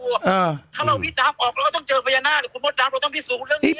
ถ้าเราวิตามออกเราก็ต้องเจอพญานาคคุณมดดำเราต้องพิสูจน์เรื่องนี้